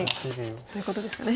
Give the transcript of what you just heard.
ということですかね。